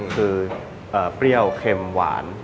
คือเปรี้ยวเค็มหวาน